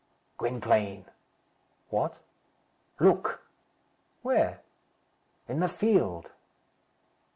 "Gwynplaine?" "What?" "Look." "Where?" "In the field."